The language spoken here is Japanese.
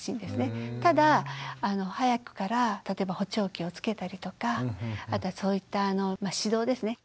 ただ早くから例えば補聴器をつけたりとかそういった指導ですね。